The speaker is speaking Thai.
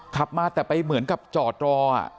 ขับมาแต่ไปเหมือนกับจอดรอ